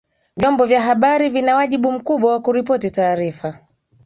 Vyombo vya habari vina wajibu mkubwa wa kuripoti taarifa